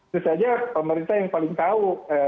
itu saja pemerintah yang paling tahu